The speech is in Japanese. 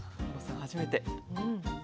初めて。